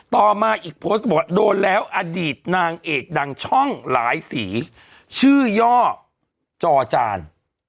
ต่อมาอีกโพสต์ก็บอกว่าโดนแล้วอดีตนางเอกดังช่องหลายสีชื่อย่อจอจาน